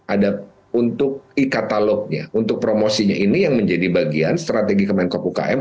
ada untuk e katalognya untuk promosinya ini yang menjadi bagian strategi kemenkop ukm